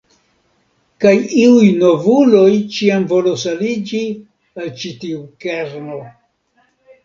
Kaj iuj novuloj ĉiam volos aliĝi al ĉi tiu kerno.